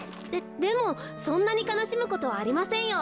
でもそんなにかなしむことはありませんよ。